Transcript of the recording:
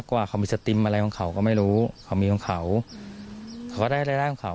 ว่าเขามีสติมอะไรของเขาก็ไม่รู้เขามีของเขาเขาก็ได้รายได้ของเขา